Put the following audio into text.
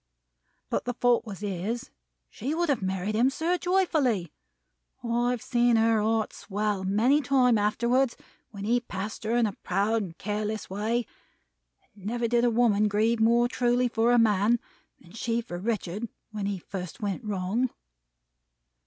But the fault was his. She would have married him, sir, joyfully. I've seen her heart swell, many times afterwards, when he passed her in a proud and careless way; and never did a woman grieve more truly for a man, than she for Richard when he first went wrong."